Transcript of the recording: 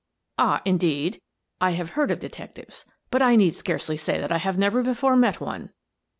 "Ah, indeed? I have heard of detectives, but I need scarcely say that I have never before met one."